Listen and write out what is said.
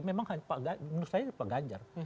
memang menurut saya pak ganjar